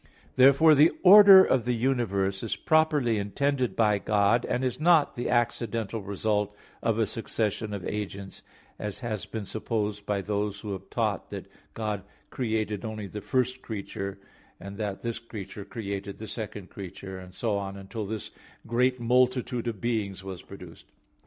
Therefore the order of the universe is properly intended by God, and is not the accidental result of a succession of agents, as has been supposed by those who have taught that God created only the first creature, and that this creature created the second creature, and so on, until this great multitude of beings was produced.